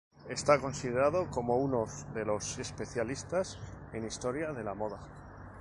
Está considerado como uno de los especialistas en historia de la moda.